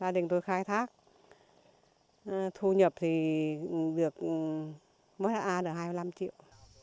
gia đình tôi khai thác thu nhập thì được mỗi a được hai mươi năm triệu